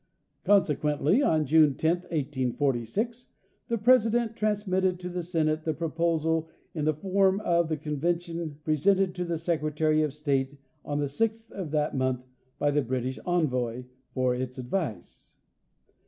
Consequently on. June 10, 1846, the President transmitted to the Senate the proposal in the form of the convention presented to the Secretary of State on the sixth of that month by the British envoy, for its advice.